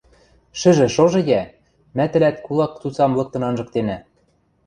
Шӹжӹ шожы йӓ: мӓ тӹлӓт кулак цуцам лыктын анжыктенӓ...